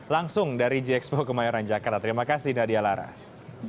langsung dari gxpo kemayoran jakarta terima kasih nadia laras